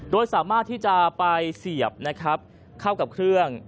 โดยสามารถที่จะไปเสียบนะครับเข้ากับเครื่อง